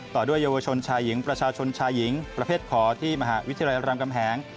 ต่อด้วยเยาวชนชายหญิงประชาชนชายหญิงประเภทขอที่มหาวิทยาลัยรามกำแหง